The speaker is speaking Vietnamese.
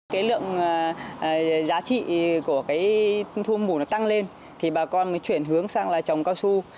cái lượng giá trị của cái thu mù nó tăng lên thì bà con mới chuyển hướng sang là trồng cao su